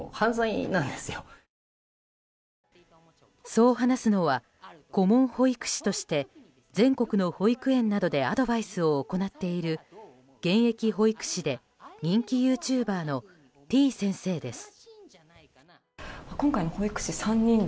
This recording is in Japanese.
そう話すのは顧問保育士として全国の保育園などでアドバイスを行っている現役保育士で人気ユーチューバーのてぃ先生です。